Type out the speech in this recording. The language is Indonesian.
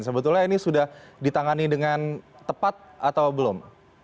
sebetulnya ini sudah ditangani dengan tepat atau belum